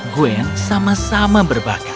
gwen sama sama berbakar